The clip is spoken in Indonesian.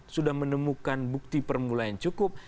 sudah menemukan bukti permulaan cukup